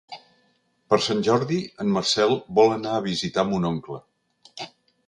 Per Sant Jordi en Marcel vol anar a visitar mon oncle.